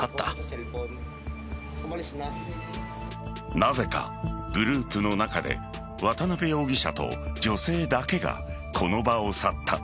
なぜか、グループの中で渡辺容疑者と女性だけがこの場を去った。